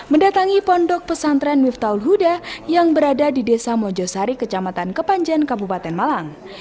mendatangi pondok pesantren miftahul huda yang berada di desa mojosari kecamatan kepanjen kabupaten malang